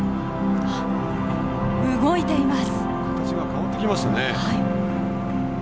動いています。